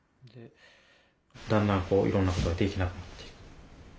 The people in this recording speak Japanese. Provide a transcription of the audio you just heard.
だんだんこういろんなことができなくなっていく。